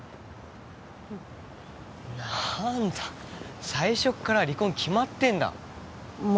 うん何だ最初っから離婚決まってんだま